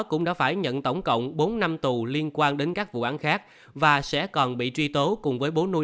cũng đã phải nhận tổng cộng bốn năm tù liên quan đến các vụ án khác và sẽ còn bị truy tố cùng với bốn